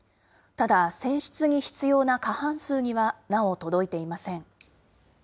ただ、選出に必要な過半数にはなお届いていません。